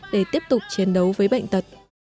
để tiếp tục chiến đấu với bệnh tật